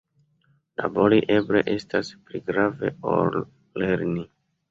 Labori eble estas pli grave ol lerni.